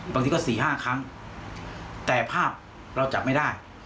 บางทีก็๔๕ครั้งแต่ภาพเราจับไม่ได้